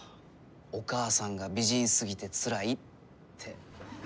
「お母さんが美人すぎてつらい」って。